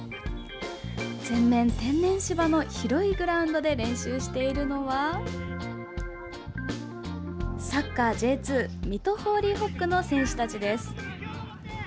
全面天然芝の広いグラウンドで練習しているのはサッカーＪ２水戸ホーリーホックの選手たちです。